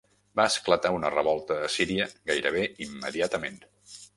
Va esclatar una revolta a Síria gairebé immediatament.